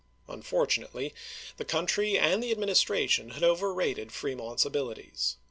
Unfortunately, the country and the Administration had overrated Fremont's abilities.